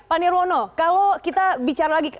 pak nirwono kalau kita bicara lagi